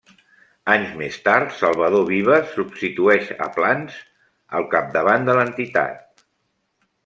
Anys més tard, Salvador Vives substitueix a Plans al capdavant de l'entitat.